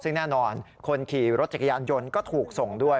ซึ่งแน่นอนคนขี่รถจักรยานยนต์ก็ถูกส่งด้วย